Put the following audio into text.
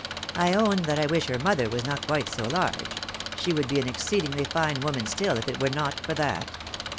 I own that I wish her mother was not quite so large, — she would be an exceedingly fine woman still, if it were not for that.